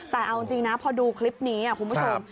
แต่เอาจริงนะพอดูคลิปนี้คุณผู้ชม